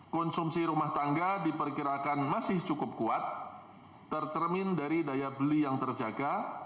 konsumsi rumah tangga diperkirakan masih cukup kuat tercermin dari daya beli yang terjaga